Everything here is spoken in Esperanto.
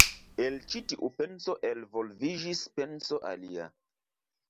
El ĉi tiu penso elvolviĝis penso alia.